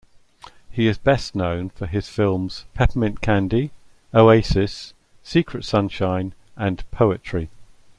He is best known for his films "Peppermint Candy", "Oasis", "Secret Sunshine", and "Poetry".